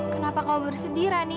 kenapa kau bersedih rani